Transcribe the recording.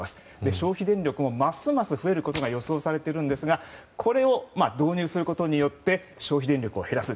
消費電力もますます増えることが予想されますがこれを導入することによって消費電力を減らす。